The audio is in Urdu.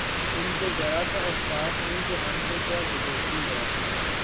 ان کو ذرا سا احساس نہیں کہ ہم پر کیا گزرتی ہے